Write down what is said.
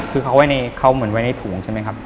คือเขาในถุงใช่มั้ยครับ